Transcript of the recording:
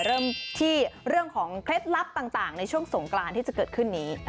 เริ่มที่เรื่องของเคล็ดลับต่างในช่วงสงกรานที่จะเกิดขึ้นนี้